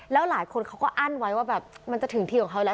แล้วหลายคนเขาก็อั้นไว้ว่าแบบมันจะถึงที่ของเขาแล้ว